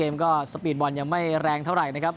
เกมก็สปีดบอลยังไม่แรงเท่าไหร่นะครับ